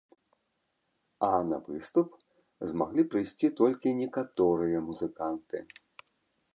А на выступ змаглі прыйсці толькі некаторыя музыканты.